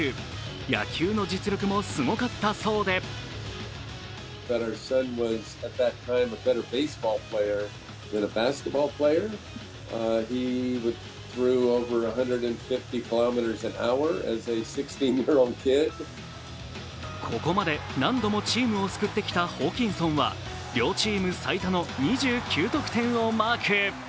野球の実力もすごかったそうでここまで何度もチームを救ってきたホーキンソンは両チーム最多の２９得点をマーク。